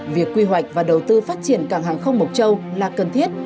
việc quy hoạch và đầu tư phát triển cảng hàng không mộc châu là cần thiết